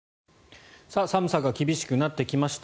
寒さが厳しくなってきました。